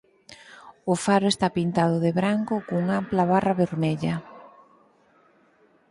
O faro está pintado de branco cunha ampla barra vermella.